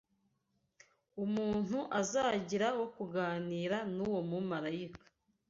umuntu azagira wo kuganira n’uwo mumarayika